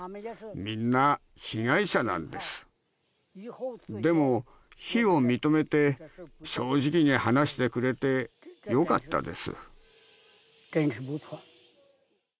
みんな被害者なんですでも非を認めて正直に話してくれてよかったです